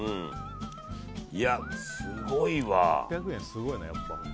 いや、すごいわ。